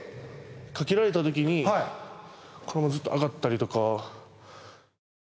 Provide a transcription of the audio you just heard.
かけられた時にずっと上がってたりとか。